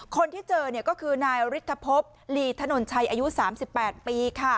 คนที่เจอก็คือนายฤทธพบลีถนนชัยอายุ๓๘ปี